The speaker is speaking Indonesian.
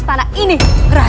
ini aja dari wordtaku sekarang